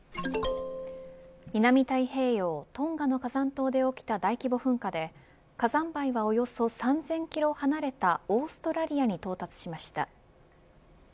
南太平洋トンガの火山島で起きた大規模噴火で、火山灰はおよそ３０００キロ離れたオーストラリアに到達しました。